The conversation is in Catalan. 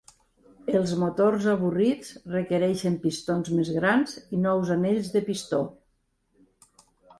Els motors avorrits requereixen pistons més grans i nous anells de pistó.